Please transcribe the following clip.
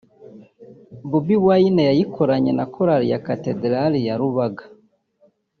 Bobi Wine yayikoranye na Korali ya Cathedral ya Rubaga